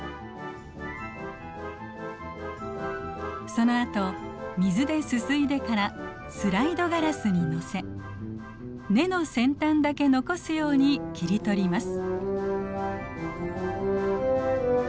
そのあと水ですすいでからスライドガラスにのせ根の先端だけ残すように切り取ります。